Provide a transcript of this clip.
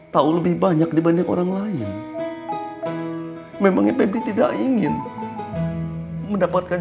tahu lebih banyak dibanding orang lain memangnya pebi tidak ingin mendapatkan